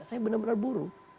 saya benar benar buruh